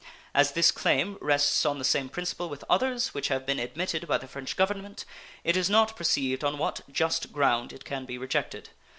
As this claim rests on the same principle with others which have been admitted by the French Government, it is not perceived on what just ground it can be rejected.